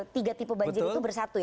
tiga tipe banjir itu bersatu ya